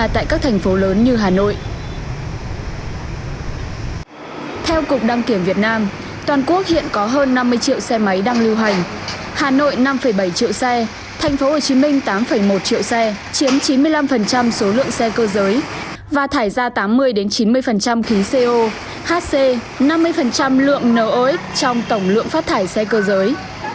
trung quốc hiện có hơn năm mươi triệu xe máy đang lưu hành hà nội năm bảy triệu xe thành phố hồ chí minh tám một triệu xe chiếm chín mươi năm số lượng xe cơ giới và thải ra tám mươi chín mươi khí co hc năm mươi lượng nợ ối trong tổng lượng phát thải xe cơ giới